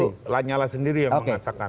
itu lanyala sendiri yang mengatakan